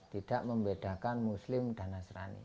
tidak membedakan muslim dan nasrani